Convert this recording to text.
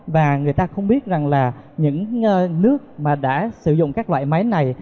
và người ta không biết rằng là những nước mà đã sử dụng các loại máy này